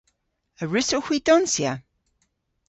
A wrussowgh hwi donsya?